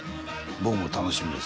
僕も楽しみです